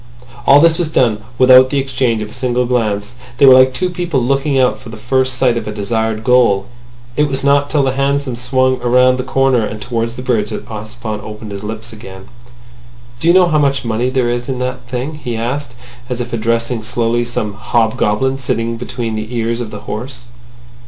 All this was done without the exchange of a single glance; they were like two people looking out for the first sight of a desired goal. It was not till the hansom swung round a corner and towards the bridge that Ossipon opened his lips again. "Do you know how much money there is in that thing?" he asked, as if addressing slowly some hobgoblin sitting between the ears of the horse.